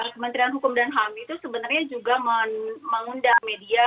kementerian hukum dan ham itu sebenarnya juga mengundang media